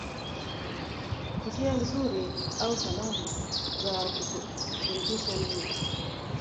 Njia nzuri au salama za kutungisha mimba